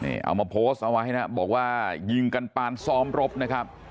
เอามาโพสต์เอาไว้นะบอกว่ายิงกันปานซ้อมรบนะครับ